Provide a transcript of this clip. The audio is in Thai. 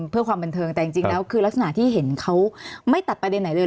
เพื่อความบันเทิงแต่จริงแล้วคือลักษณะที่เห็นเขาไม่ตัดประเด็นไหนเลย